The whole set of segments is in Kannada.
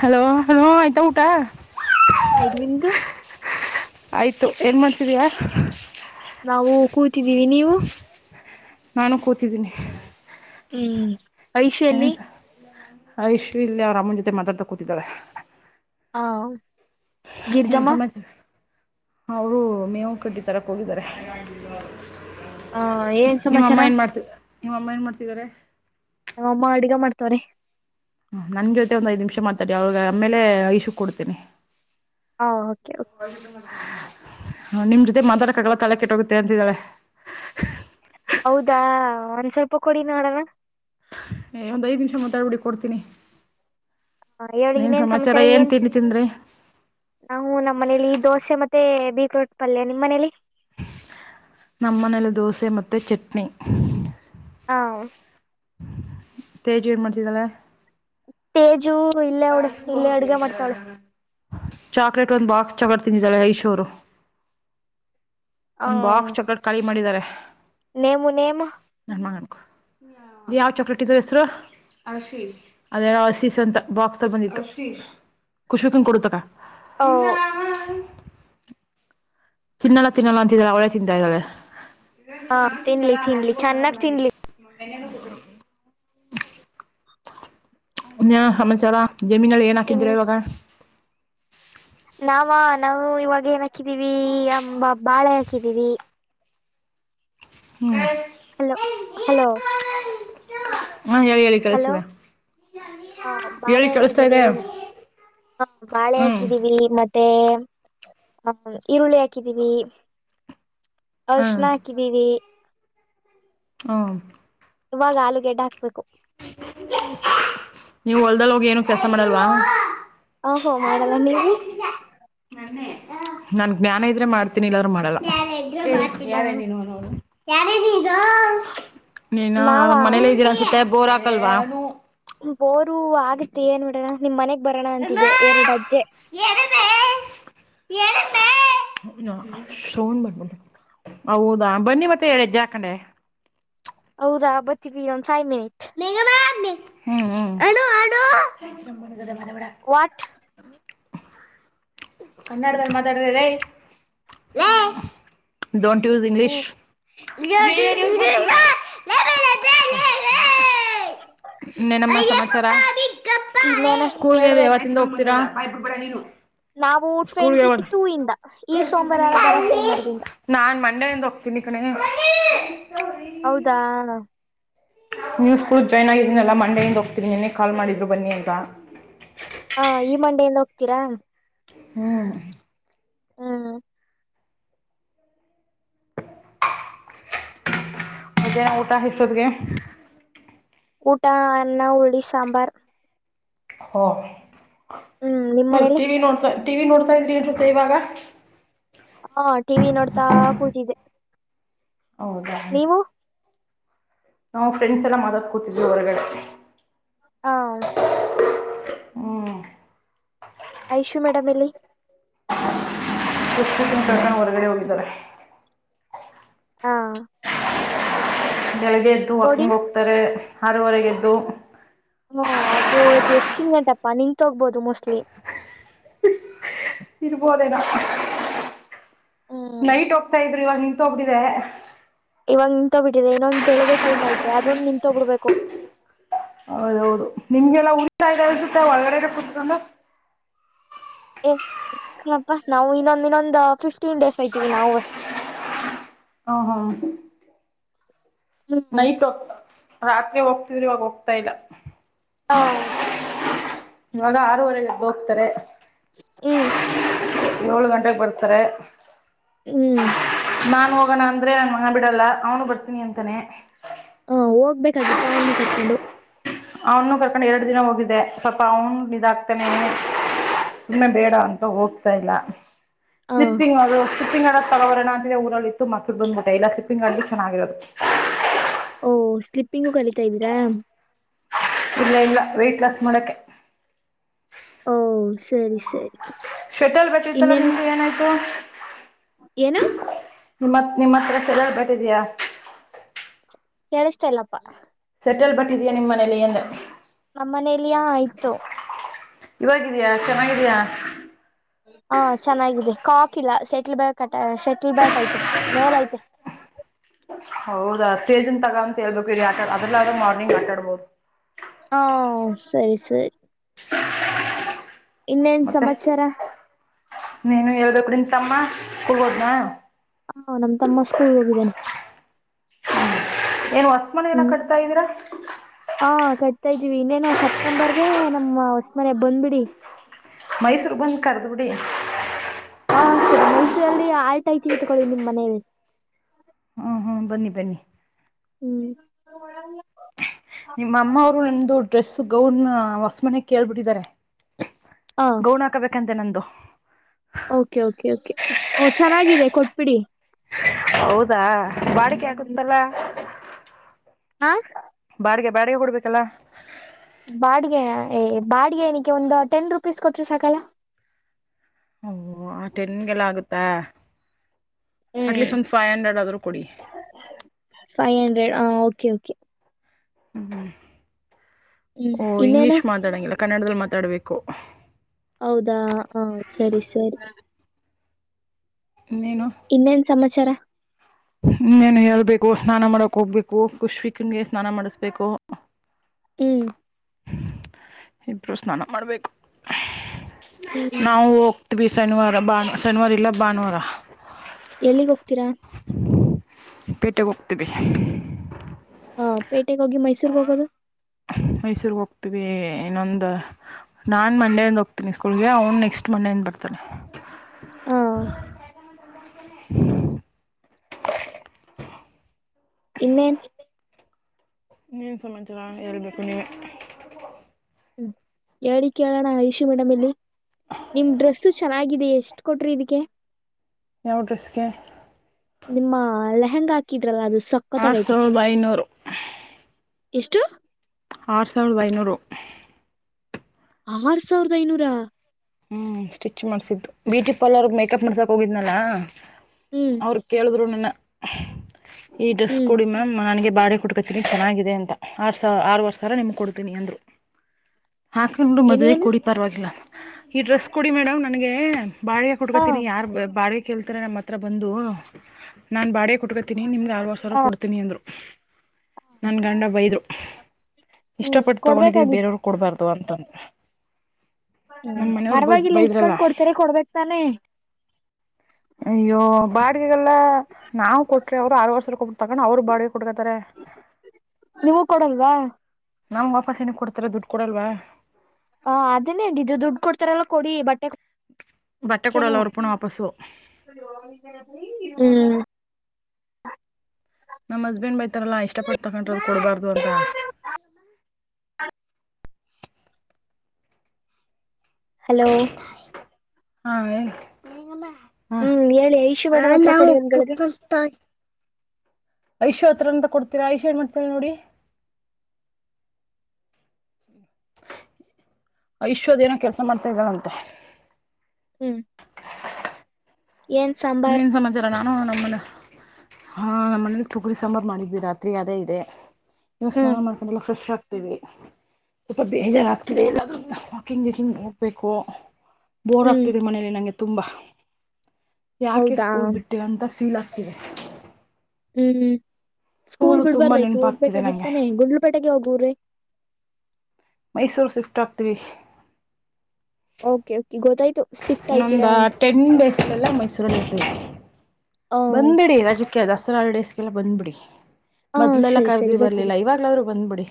ಹಲೋ ನಯತ ಊಟಾ ಐದು ನಿಮ್ದು ಆಯಿತು ಏನು ಮಾಡ್ತಿದೀಯಾ ನಾವು ಕೂ ನೀವು ನಾನು ಕೂತಿದ್ದೀನಿ ಹ್ಮ್ ಐಷೆಯಲ್ಲಿ ಆ ಯಶು ಇಲ್ಲಿ ಅವ್ರ ಅಮ್ಮನ ಜೊತೆ ಮಾತಾಡ್ತಾ ಕೂತಿದ್ದಾರೆ ಹಾ ಹನು ಸಮ ಅವರು ಮೇವು ಕಡ್ಡಿ ತರಕ್ ಹೋಗಿದ್ದಾರೆ ಹಾ ಏನ್ ಸಮಾಚಾರ ನಿಮ್ಮ ಅಮ್ಮ ಏನ್ ಮಾಡ್ತಿದಿದ್ದಾರೆ ನಮ್ಮಮ್ಮ ಅಡ್ಗ ಮಾಡ್ತವ್ರ ನನ್ ಜೊತೆ ಒಂದ್ ಐ್ ನಿಮಿಷ ಮಾತಾಡಿ ಅವಾಗ ಆಮೇಲೆ ಇಐಶು ಕೊಡ್ತೇನಿ ಹಾ ಕೆ ೆ ಹ ನಿಮ್ ಜೊತೆ ಮಾತಾಡಕಾಗಲ್ಲ ತಲೆ ಕೆಟ್ಟೋಗುತ್ತೆ ಅಂತಿದ್ದಾಳೆ ಹೌದಾ ಒಂದ್ ಸ್ವಲ್ಪ ಕೊಡಿ ನೋಡೋಣ ಏ ಒಂದ್ ಐದ್ ನಿಮಿಷ ಮಾತಾಡ್ಬಿಡಿ ಕೊಡ್ತೀನಿ ಹ ಹೇಳಿ ಏನು ಇನ್ನೇನು ಸಮಾಚಾರ ಏನು ಏನ್ ತಿಂಡಿ ತಿಂದರೆ ನಾವು ನಿಮ್ಮ ಮನೇಲಿ ದೋಸೆ ಮತ್ತೆ ಬೀಕ್ರೋಟ್ ಪಲ್ಯ ನಿಮ್ಮ್ ಮನೇಲಿ ನಮ್ಮ ಮನೇಲಿ ದೋಸೆ ಮತ್ತೆ ಚಟ್ನಿ ಹಾ ತೇಜ್ ಏನ್ ಮಾಡ್ತಿದ್ದಳೆ ತೇಜು ಇಲ್ಲೇ ಅವಳೆ ಇಲ್ಲೇ ಅಡುಗೆ ಮಾಡ್ತಾವಳೆ ಚಾಕ್ಲೇಟ್ ಒಂದು ಬಾಕ್ಸ್ ಚಾಕ್ಲೇಟ್ ತಿಂದಿದ್ದಾಳೆ ಐಶೋರು ಒಂದ್ ಬಾಕ್ಸ್ ಚಾಕ್ಲೆಟ್ ಕಾಲಿ ಮಾಡಿದ್ದಾರೆ ನೇಮ ನೇಮ ನ್ ಯಾವ್ ಚಾಕ್ಲೇಟ್ ಇದ ಹೆಸರು ಅದ ಹಸೀ ಅಂತ ಬಾಕ್ಸ್ ಬಂದಿತ್ತು ಖುಷಿಕ ಕೊಡತಕ ಓ ನಿಂತರಾಮ ತಿನ್ನಲ್ಲ ತಿನ್ನಲ್ಲ ಅಂತಿದಳೆ ಅವಳೆ ತಿಂತಾ ಇದ್ದಾಳೆ ಹಾ ತಿನ್ಲಿ ತಿನ್ಲಿ ಚೆನ್ನಾಗ ತಿನ್ಲಿ ಮನಾಲ ಕೊತ ನ್ಯ ಸಮಾಚಾರ ಜಮೀನಲ್ಲಿ ಏನ್ ಇನ್ ಹಾಕಿದ್ರೆ ಇವಾಗ ನಾವ ನಾವು ಇವಾಗ ಏನ್ ಹಾಕಿದೀವಿ ಅಂಬ ಬಾಳೆ ಹಾಕಿದೀವಿ ಹ್ಮ್ ಹಲೋ ಹಲೋ ಹಾ ಹೇಳಿ ಹೇಳಿ ಹಲೋ ಕೇಳಿಸ್ತಿದೆ ಹ ಹೇಳಿ ಬಾಳೆ ಕೇಳಿಸ್ತಾ ಹಾಕಿದ್ದೀವಿ ಇದೆ ಬಾಳೆ ಹ್ಮ್ ಹಾಕಿದೀವಿ ಮತ್ತೆ ಮತ್ತೆ ಅಹ ಈರುಳ್ಳಿ ಹಾಕಿದೀವಿ ಹ್ಮ್ ಅರಿಶ್ಣ ಹಾಕಿದೀವಿ ಹ್ಮ ಇವಾಗ ಆಲೂಗೆಡ್ಡ ಹಾಕ್ಬೇಕು ನೀವು ಹೊಲ್ದಲ್ ಹೋಗಿ ಏನು ಕೆಲಸ ಮಾಡಲ್ವಾ ಹ ಹೋ ಮಾಡಲ್ಲ ನೀವು ನಾ ಜ್ಞಾನ ಇದ್ರೆ ಮಾಡ್ತೀನಿ ಇಲ್ಲಾದ್ರರು ಮಾಡಲ್ಲ ಯಾರನು ಹ ಯಾರೇ ನೀನು ನೀನ ನಾವ ಮನೇಲಿ ಇದ್ದೀರಾ ಅನ್ಸುತ್ತೆ ಬೋರಾಗಲ್ವಾ ಬೋರು ಆಗತ್ತ ಏನ್ ನೋಡೋಣ ನಿಮ್ ಮನೆ ಬರೋಣ ಅಂತಿದೆ ಎರಡು ಅಜ್ಜೆ ಸೌಂಡ್ ಬಾರ್ಬಾದು ಹೌದಾ ಬನ್ನಿ ಮತ್ತೆ ಎರಡೆಜ್ಜೆ ಅಕ್ಕಂಡೆ ರ ಆ ಬತ್ತ ಫೈವ್ ಮಿನಿಟ್ ಹ್ಮ್ ಹ್ಮ ಹಲೋ ಆೋ ಮ ಬಡ ವಾಟ್ ಕನ್ನಡದಲ್ಲಿ ಮಾತಾಡ್ತಾರೆ ಡೋಂಟ್ ಯೂಸ್ ಇಂಗ್ಲೀಷ್ ನೀ ನ ನಮ್ಮ ಸಮ ಕರ ಇನ್ನೇನ ಸ್ಕೂಲ್ಗೆ ಹೇಳ್ಬೇಕ ಯಾವತ್ತಿಂದ ಹೋಗ್ತೀರಾ ಭ ಬಿುಬಡ ನೀ ನಾವು ಟ್ವೆಂಟಿ ಟೂ ಇಂದ ಈ ಸೋಮವಾರಾರ ಬರ ಸೋಮವಾರದಿಂದ ಕಂಡ ದಃತಿ ನಿ ಕಣ ಹೌದಾ ನೀವು ಸ್ಕೂಲ್ ಜಾಯ್ನ್ ಆಗಿದ್ದೀನಲ್ಲ ಮಂಡೇೆಯಿಂದ ಹೋಗ್ತೀನಿ ನಿನ್ನೆ ಕಾಲ್ ಮಾಡಿದ್ರು ಬನ್ನಿ ಅಂತ ಹಾ ಈ ಮಂಡೆಯಿಂದ ಹೋಗ್ತೀರಾ ಹ್ಮ್ ಹ್ಮ್ ಎ ಊಟಾ ಹಿಕ್ಷದಗೆ ಊಟ ಅನ್ನ ಹುರುಳ್ಳಿ ಸಾಂಬಾರ್ ಹ ಹ್ಮ್ ನಿಮ್ ಮನೇಲಿ ಹರ್ತೀವಿ ನೋಡ್ಸ ಟಿವಿ ನೋಡ್ತಾ ಇದ್ರಿ ಜೊತೆ ಇವಾಗ ಹಾ ಟಿ ವಿ ನೋಡ್ತಾ ಕೂಜಿದೆ ಹೌದ ನಾವು ಫ್ರೆಂಡ್ಸ್ ಎಲ್ಲ ಮಾತಾಡ್ಕೊತಿದ್ವಿ ಹೊರಗಡೆ ಹಾ ಆಯಶು ಮೇಡಮ್ ಇಲ್ಲಿ ಹೊರಗಡೆ ಹೋಗಿದ್ದಾರೆ ಹಾ ಬೆಳಗೆ ಎದ್ದು ಹಾಕೊಂಡ್ ಹೋಗ್ತಾರೆ ಹರವರೆಗೆದ್ದು ಹ್ಮ ಅವತೂ ಇದು್ ಎಷ್ಟ್ ಚಿನ್ದಪ್ಪಾ ನಿಂ ತೋಗ್ಬೋದು ಮೋಸ್ಟ್ಲಿ ಇದುಬೋದೇನ ಹ್ಮ್ ನೈಟ್ ಹೋಗ್ತಾ ಇದ್ರಿವ ನಿ ಒಬಡಿದೆ ಇವಾಗ ನಿ ತಗಬಿಟ್ಟಿದೆ ಇನ್ನೊಂದ್ ಬೆಳಗ್ ಟೈಮ್ ಐತೆ ಅದೊ ನಿನ್ ತಗೊಬಿಡ್ಬೇಕು ಹೌದೌದು ನಿಮ್ಗೆಲ್ಲ ಉಳಿತಸುತ್ತೆ ಒಳಗಡೆಡೆ ಕುೂತ್ಕೊಂಡ ಏಾಪ್ಪಾ ನಾವು ಇನ್ನಮ್ಮ ಇನ್ನೊಂದ್ ಿ ತಟುಂಡ ಸ್ವಾಯತಿಿಗೆಿನ ಹೇ ನ ಪ್ರಕ್ ರಾತ್ರಿ ಹೋಗ್ತಿದ್ರಿ ಇವಾಗ ಹೋಗ್ತಾ ಇಲ್ಲ ಹ ಮಾಗ ಹಾರ ಹರ ಹೋಗ್ತಾರೆ ಹ್ಮ್ ಏಳು ಗಂಟೆಗೆ ಬರ್ತಾರೆ ಹ್ಮ್ ನಾನು ಹೋಗೋಣ ಅಂದರೆ ನನ್ನ ಮನ ಬಿಡಲ್ಲ ಅವನು ಬರ್ತೀನಿ ಅಂತಾನೇ ಹ ಹೋಗ್ಬೇಕಾಗಿತ್ತು ಅವನ್ನು ಕರ್ಕೊಂಡು ಅವನು ಕರ್ಕೊಂಡ್ ಎರಡ್ ದಿನ ಹೋಗಿದೆ ಸ್ವಲ್ಪ ಅವನು ಇದಾಗ್ತಾನೆ ಸುಮ್ಮನೆ ಬೇಡ ಅಂತ ಹೋಗ್ತಾ ಇಲ್ಲ ಹ ಸ್ಲಿಪ್ಪಿಂಗ್ ಅದು ಶಿಂಗ್ಡೋ ತಲವರಣ ಅಂತಿದೆ ಊರಲ್ಲಿ ಇತ್ತು ಮೊೂರು ಬಂದ್ಬಿಟ್ಟೆ ಇಲ್ಲ ಶಿಪಿಂಗ್ಲ್ಲಿ ಚನ್ನಾಗಿರೋದು ಓಹ ಸ್ಲಿಪ್ಪಿಂಗು ಕಲಿತಾ ಇದ್ದೀರಾ ಇಲ್ಲ ಇಲ್ಲ ವೆಯ್ಟಟ್ ಲಾಸ್ ಮಾಡಕ ಓ ಸರಿ ಸರಿ ಶೆಟ್ಟಲ್ ಬಟ್ಟಿತ್ತಲ್ಲ ಇನ್ನೇನು ನಿಮ್ಗೆ ಏನಾಯ್ತು ಏನು ನಿಮ್ಮತ್ ನಿಮ್ಮ ಹತ್ರ ಎಲ್ಲ ಬಟ್ಟಿದೀಯ ಕೇಳಸ್ತೇ ಇಲ್ಲಪ್ಪಾ ಕಲ್ ಬಟ್ಟಿದೀಾ ನಿಮ್ಮ ಮನೆಯಲ್ಲಿ ಎಂದ ನಮ್ಮ ಮನೇೆಯಲ್ಲಿ ಆಾ ಆಯ್ತು ಇವಾಗಿದ್ಯಾ ಚೆನ್ನಾಗಿದಯ ಹಾ ಚೆನ್ನಾಗಿದೆ ಕಾಕ್ ಇಲ್ಲ ಶೆಟ್ಲ್ ಬ್ಯಾಟ್ ಶೆಟ್ಲ್ ಬ್ಯಾಟ್ ಐತೆ ಮೇಲ ಐತೆ ಹೌದಾ ಸೇಜನ್ ತಗೋಂತ ಹೇಳ್ಬೇಕುರಿ ಆಟಾ ಅದ್ರಲ್ಲ ಆದ್ರೆ ಮಾರ್ನಿಂಗ್ ಆಟಾಡ್ಬೋದು ಹ ಸರಿ ಸರಿ ಇನ್ನೇನ್ ಮತ್ತೆ ಸಮಾಚಾರ ನೀನು ಎದ ಕರಿ ತಮ್ಮ ಕೊಡ್ಬೋದನಾ ಹಾ ನಮ ತಮ್ಮ ಸ್ಕೂಲ್ ಹೋಗಿದ್ದೇನೆ ಹ್ಮ ಏನು ಹೊಸ್ಮಣ ಏನ ಹ್ಮ್ ಕಟ್ತಾ ಇದೀರಾ ಹ ಕಟ್ತಾ ಇದೀವಿ ಇನ್ನೇನು ಸಪ್ಟೆಂಬರ್ ಗೆ ಹ ಅಸ್ ಮನೆ ಬಂದ್ಬಿಡಿ ಮೈಸೂರು ಬಂದ್ ಕ ಕಡಿ ಹಾ ಸರಿ ಮೈಸೂರಲ್ಲಿ ಆರ್ಟಾಯತಿೀವಿ ತಗೊಳ್ಳಿ ನಿಮ್ ಮನೆಯಲ್ಲಿ ಅ ಬ ಹ್ಮ್ ನಿಮ್ಮ ಅಮ್ಮ ಅವರು ನಮ್ದು ಡ್ರೆಸ್ಸ ಗೌನ್ ಹೊಸ ಮನೆ ಕೇಳ್ಬಿಟ್ಟಿದ್ದಾರೆ ಹ ಗೌಣ ಹಾಕಬೇಕಂತ ನ ಂದುೊ [inaudible] ಓಕೆ ಕೆ ಕೆ ಓ ಚೆನ್ನಾಗಿದೆ ಕೊಟ್ಬಿಡಿ ಹೌದಾ ಬಾಡಿಕೆ ಆಗುತ್ತಲ್ಲ ಹಾ.. [inaudible] ಬಾಡಿಗೆ, ಬಾಡಿಗೆ, ಕೊಡ್ಬೇಕಲ್ಲ. [inaudible] ಬಾಡಿಗೆ, ಏ ಬಾಡ್ಗೆ ಏನಕ್ಕೆ ಒಂದು ಟೆನ್ ರುಪೀಸ್ ಕೊಟ್ರ ಸಾಕಲ್ಲ. [unintelligible] ಓ, ಆ, ಟೆನ್ಗೆಲ್ಲ ಆಗುತ್ತ. [inaudible] ಹ್ಮ್ ಅಟ್ಲೀಸ್ಟ್, ಒಂದು, ಫೈವ್ ಹಂಡ್ರೆಡ್ ಆದ್ರೂ ಕೊಡಿ. [unintelligible] ಹಾ, ಓಕೆ, ಓಕೆ. [inaudible] ಹ್ಮ.. ಹ್ಮ್ [inaudible] ಓ, ಇನ್ನೇನು ಇಂಗ್ಲೀಷ್, ಮಾತಾಡಂಗಿಲ್ಲ. [inaudible] ಕನ್ನಡದಲ್ಲಿ, ಮಾತಾಡಬೇಕು. [inaudible] ಹೌದಾ, ಹ, ಸರಿ, ಸರಿ. [inaudible] ನೀ.. [inaudible] ಇನ್ನೇನ್, ಸಮಾಚಾರ. [inaudible] ಇನ್ನೇನು, ಹೇಳ್ಬೇಕು ಸ್ನಾನ ಮಾಡಕ್ ಹೋಗ್ಬೇಕು ಖುಷ್ವಿಕಂಗೆ, ಸ್ನಾನ ಮಾಡಸ್ಬೇಕು. ಹ್ಮ್ [unintelligible] [unintelligible] [inaudible] ಇಬ್ಬರು, ಸ್ನಾನ ಮಾಡಬೇಕು. [unintelligible] ಹ್ಮ್ ನಾವು, ಹೋಗ್ತೀವಿ, ಶನಿವಾರ ಬಾನೂ. [unintelligible] ಶನಿವಾರ, ಇಲ್ಲ ಭಾನುವಾರ. [inaudible] ಎಲ್ಲಿಗ್, ಹೋಗ್ತೀರಾ? [inaudible] ಪೆಟ್ಟಿಗೆಯೊಗುತಿವಿ. [inaudible] ಹಾ, ಪೇಟಗೆ, ಹೋಗಿ ಮೈಸೂರಿಗೆ ಹೋಗೋದು [unintelligible] ಮೈಸೂರ್ರಿಗೆ, ಹೋಗ್ತೀವಿ. ಇನ್ನೊಂದು ನಾನು ಮಂಡೆ, ಹೋಗ್ತೀನಿ. ಸ್ಕೂಲ್ಗೆ ಅವ್ನು ನೆಕ್ಸ್ಟ್ ಮಂಡೆ ಇಂದ ಬರ್ತಾನೆ. [unintelligible] ಹಾ. [inaudible] ಇನ್ನೇನು. [inaudible] ನೀನ್, ಏನು, ಸಮಾಚಾರ ಹೇಳ್ಬೇಕು ನೀವೇ? [unintelligible] ಹ್ಮ, ಹೇಳಿ ಕೇಳೋಣ ಐಶು ಮೇಡಂ ಹೇಳಿ. [unintelligible] ನಿಮ್, ಡ್ರೆಸ್ಸು, ಚೆನ್ನಾಗಿದೆ ಎಷ್ಟು. [inaudible] ಎಷ್ಟ, ಕೊಟ್ರಿ ಇದಕ್ಕೆ? [unintelligible] ಯಾವ, ಡ್ರೆಸ್ಗೆ. ನಿಮ್ಮ, ಲೆಹಂಗಾ, ಹಾಕಿದ. [inaudible] ಆರ್, ಸಾವಿರದ, ಐನೂರು. [unintelligible] ಎಷ್ಟು? [inaudible] ಆರು, ಸಾವಿರದ, ಐನೂರು. [inaudible] ಆರ್, ಸಾವಿರದ, ಐನೂರ! [unintelligible] ಹ್ಮ್, ಸ್ಟಿಚ್ ಮಾಡ್ಸಿದ್ದು, ಬ್ಯೂಟಿ ಪಾರ್ಲರ್. ಮೇಕಪ್ ಮಾಡಸಾಕ್ ಹೋಗಿದ್ನಲ್ಲಾ! [unintelligible] ಹ್ಮ್ ಅವರು, ಕೇಳಿದ್ರು, ನನ್ನ. [unintelligible] ಈ, ಡ್ರೆಸ್ ಹ್ಮ್ ಕೊಡಿ ಮ್ಯಾಮ್, ನಾನೇ ಬಾಡಿಗೆ ಕೋಟುಕೋತಿನಿ. [unintelligible] ಚೆನ್ನಾಗಿದೆ, ಅಂತ ಆರ್, ಸ. ಆರವರ್ ಸಾವರ ನಿಮ್, ಕೊಡ್ತೀನಿ! ಅಂದ್ರು. [unintelligible] ಹಾಕೊಂಡು, ಮದುವೆ ಏನೇನು ಕೊಡಿ, ಪರವಾಗಿಲ್ಲ. [unintelligible] ಈ ಡ್ರೆಸ್ ಕೊಡಿ ಮೇಡಮ್ ನನಗೆ ಬಾಳ್ಯ ಹ ಹುಡ್ಕೋತಿನಿ ಯಾರ ಬಾಳೆ ಕೇಳ್ತಾರೆ ನಮ್ಮ್ ಹತ್ರ ಬಂದು ನಾನ್ ಬಾಡ ಕೊಟ್ಕೋತಿನಿ ನಿಮ್ದಗೆು ಆವ ಸಾವಿರ ಹ ಕೊಡ್ೀನಿ ಅಂದರು ನನ್ ಗಂಡ ಬೈದ್ರು ಹ್ಮ್ ಇಷ್ಟಪಟ್ಟು ತಗೊಂಡಿದೀನಿ ಕೊಡ್ಬೇಕಾಗಿತ್ತು ಬೇರೆಯವರು ಕೊಡ್ಬಾರ್ದು ತ ಅಂತಂದ್ರೆ ಹ್ಮ ಪರವಾಗಿಲ್ಲ ಇಕಂಡ್ ಕೊಡ್ತರ ಕೊಡ್ಬೇಕಕ್ ತಾನೆ ಅಯ್ಯೋ ಬಾ ನಾವು ಕೊಟ್ರೆ ಅವ್ರು ಆರ ವರ್ಷ ಕೊ ತಗಣ ಅವರು ಬಾಡಿಗೆ ಕುಡ್ಕತಾರೆ ನೀವು ಕೊಡಲ್ವಾ ನಂಗ್ ವಾಪಸ್ ಏನಿಗೆ ಕೊಡ್ತಾರ ದುಡ್ಡು ಕೊಡಲ್ವಾ ಹ ಅದೇ ಇದು ದುಡ್ಡು ಕೊಡ್ತಾರೆಲ್ಲ ಕೊಡಿ ಬಟ್ಟೆ ಬಟ್ಟೆ ಕನ ಕೊಡಲ್ಲ ಅವ್ರು ಪುನಃ ವಾಪಸ್ಸು ಹ್ಮ್ ನಮಸ್ಬೇನ್ ಬ ಇತರಲ್ಲಾ ಇಷ್ಟಪಟ್ಟ ತಕೊಂಡ್ರ ಕೊಡ್ಬಾರ್ದು ಅಂತ ಹಲೋ ಹಾ ಹ್ಮ್ ಹೇಳಿ ಐಶು ಬೇಡ ಮಾತ್ರ ನಾವು ಕೊಡಿಯನ್ಗಳಿಗೆ ಐಶ್ೋ ಹತ್ರರ ಅಂತ ಕೊಡ್ತೀರಾ ಐಶೋ ಏನ್ ಮಾಡ್ತೇವಿ ನೋಡಿ ಆ ಶ್ವದೇಏನೋ ಕೆಲಸ ಮಾಡ್ತಾ ಇದ್ದಾಳಂತೆ ಹ್ಮ್ ಏನ್ ಸಾಂಬಾರ್ ನೀನು ಸಮಾಚಾರ ನಾನು ನಮ್ಮಲೆ ಹಾ ನಮ್ಮ ಮನಲಿ ಸುಗರಿ ಸಂಂಬಾರ್ ಮಾಡಿದ್ವಿ ರಾತ್ರಿ ಅದೇ ಇದೆ ಇವಾಗ ಸ್ನಾನ ಹ್ಮ್ ಮಾಡ್ಕೊಂಡು ಎಲ್ಲ ಫ್ರೆಶ್ ಆಗ್ತತಿವಿ ಸಪ ಬಜಾಗತ ಎಲ್ಲ ಹಿಂಗೆ ಹಿಂಗ ಹೋಗಬೇಕು ಬೋರ್ ಹ್ಮ್ ಆಗ್ತಿದೆ ಮನೇಲಿ ನಂಗೆ ತುಂಬ ಯಾಕೆ ಹೌದಾ ಸ್ಕೂಲ್ ಬಿಟ್ಟೇವ ಅಂತ ಫೀಲ್ ಅ ಹ ಹ್ಮ್ ಹ್ಮ್ ಸ್ಕೂಲ್ ತುಂಬಾ ಬಿಡ್ಬಾರ್ದಾಯ್ತು ನೆನಪಾಗ್ತಿದೆ ನಂಗೆ ಹೋಗ್ಬೇಕಾಗಿತ್ತಾನೆ ಗುಂಡಲುಪೇಟೆಗೆ ಹೋಗವ್ರಿ ಮೈಸೂರು ಸ್ವಿಫ್ಟ್ ಆಗ್ತಿವಿ ಓಕೆ ಓಕೆ ಗೊತ್ತಾಯ್ತು ಶಿಫ್ಟ್ ಆಯ್ತೀರಾ ಇನ್ನೊಂದು ಅಂತ ಟೆನ್ ಡೇಸ್ಗೆಲ್ಲ ಮೈಸೂರಲ್ಲಿ ಇತವಿ ಹ ಬಂದ್ಬಿಡಿ ರಜಿ ಕ ದಸರಾಲ್ ಡೇಸ್ಗೆಲ್ಲ ಬಂದ್ಬಿಡಿ ಹ ಮೊದಲೆಲ್ಲಾ ಸರಿ ಸರಿ ಕರ್ದ್ವಿ ಬರ್ಲಿಲ್ಲ ಇವಾಗ್ ಅವ್ರು ಬಂದ್ಬಿಡಿ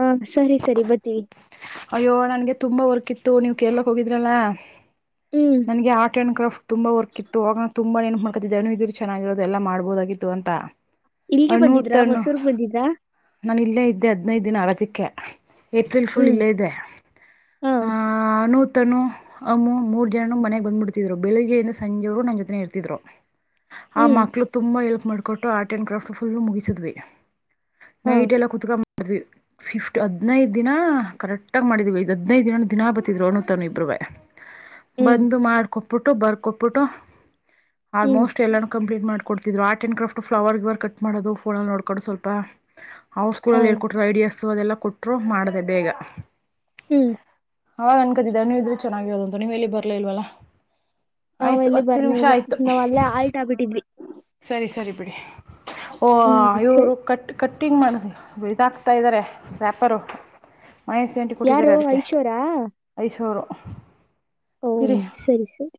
ಹಾ ಸರಿ ಸರಿ ಬರ್ತೀವಿ ಅಯ್ಯೋ ನನ್ಗೆ ತುಂಬಾ ವರ್ಕ್ ಇತ್ತು ನೀವ್ ಕೇರ್ಲಕ್ ಹೋಗಿದ್ರಲ್ಲ ಹ್ಮ್ ನನಗೆ ಆರ್ಟ್ ಆ್ಯಂಡ್ ಕ್ರಾಫ್ಟ್ ತುಂಬಾ ವರ್ಕ್ ಇತ್ತು ಆಾಗ ನ ತುಂಬಾ ನೇನ್ ಮಾಡ್ಕತಿದ್ದೆ ಅ ಇದ ಚೆನ್ನಾಗಿರೋದು ಎಲ್ಲಾ ಮಾಡ್ಬೋದಾಗಿತ್ತು ಅಂತ ಇಲ್ಗೆ ಅಣ್ಣು ಬಂದಿದ್ರಾ ತಣ್ಣು ಹೊಸೂರ್ಗ್ ಬಂದಿದ್ರಾ ನಾನು ಇಲ್ಲೇ ಇದ್ದೆ ಹದಿನೈದು ದಿನ ಅರಜಿಕಕ್ಕೆ ಏಪ್ರಿ ಫು ಹ್ಮ್ ಇಲ್ಲ ಹಾ ಹ್ಮ ಅನೂತನು ಅಮ್ಮು ಮೂರು ಜನ ಮನೆಗೆ ಬಂದ್ಬಿಡ್ತಿದ್ರು ಬೆಳಿಗ್ಗೆಯಿಂದ ಸಂಜೆಯವರು ನನ್ನ ಜೊತೆ ಇರ್ತಿದ್ರು ಆ ಹ್ಮ್ ಮಕ್ಳು ತುಂಬಾ ಎಲ್ ಮಾಡ್ಿಕೊಟ್ಟು ಆರ್ಟ್ ಆ್ಯಂಡ್ ಕ್ರಾಫ್ಟ್ ಫು ಮುಗಿಸಿದಿವಿ ನ ಹಾ ಇಟ್ ಎಲ್ಲ ಕುತಕಂಬ ಅದು ಫಿಫ್ಟ್ ಹದಿನೈದು ದಿನ ಕರೆಕ್ಟ್ ಇಟ ಮಾಡಿದ್ವಿ ಇದು ಹದಿನೈದು ದಿನ ದಿನಾ ಬತಿದ್ರು ಅಣ ತಾನನು ಇಬ್ಬೇ ಹ್ಮ್ ಬಂದು ಮಾಡ್ಕೊಟ್ಟ ಕೊಟ್ಬಿಟ್ಟು ಬರ್ ಕೊಬಿಟ್ಟು ಹ್ಮ್ ಆಲ್ಮೋಸ್ಟ್ ಎಲ್ಲನಕ್ಕ ಮಾಡ್ಕಡ್ತಿದ್ರು ಆರ್ಟ್ ಅಂಡ್ ಕ್ರಾಫ್ ಫ್ಲವರ್ ಇವರ್ ಕಟ್ ಮಾಡೋದು ಫೋಲ್ ನೋಕೊಂಡು ಸ್ವಲ್ಪ ಹಾ ಸ್ಕೂ ಅ ಹೇಕ ಕೊಟ್ಟ ಐಡಿಯಾ ಹ ಸುವ ಅದೆಲ್ಲ ಕೊಟ್ಟರರು ಮಾಡಿದೆ ಬೇಗ ಹ್ಮ್ ಅವಾಗ ಅನ್ಕತಿದ್ದ ನೀವ ಇದ್ರೆ ಚೆನ್ನಾಗಿರೋದಂತು ನೀವ ಎಲ್ಲಿ ಬರ್ಲಿ ಇಲ್ವಲ್ಲ ನಾವ್ ಆಯಿತು ಎಲ್ಲಿ ಹತ್ತು ಬರ್ಮೇ ನಿಮಿಷ ಇಲ್ಲ ಆಯಿತು ನಾವ್ ಅಲ್ಲೇ ಆಲ್ಟ್ ಆಗ್ಬಿಟ್ಟಿದ್ವಿ ಅಡಿ ಓ ಹ್ಮ್ ಸರಿ ಆಯುರು ಕಟ್ ಕಟ್ಟ ಶೂಟಿಂಗ್ ಮಾಡಿದ್ ಇದಾಕ್ತಾ ಇದಾರೆ ವ್ಯಾಪರು ಮಹೇಶ್ ಯಾರು ಐಶ್ವರ ಸಾವಿರ ಓ ಇರಿ ಸರಿ ಸರ್